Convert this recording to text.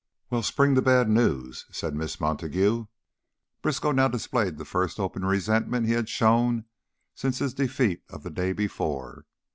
"Well, spring the bad news," said Miss Montague. Briskow now displayed the first open resentment he had shown since his defeat of the day before.